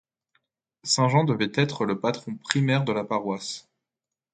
Saint Jean devait être le patron primaire de la paroisse.